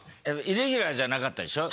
イレギュラーじゃなかったでしょ